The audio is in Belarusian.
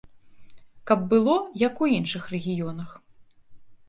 Каб было, як у іншых рэгіёнах.